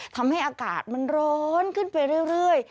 ทำให้อากาศมันร้อนขึ้นไปเรื่อย